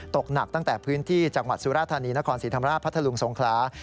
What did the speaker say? ตกหนักตั้งแต่พื้นที่จังหวัดสุราธานีนครศรีธรรมราชพัทธลุงสงขลา